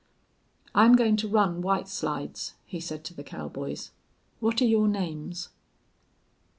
"I'm going to run White Slides," he said to the cowboys. "What're your names?"